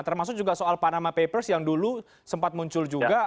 termasuk juga soal panama papers yang dulu sempat muncul juga